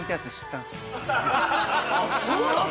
あっそうなの？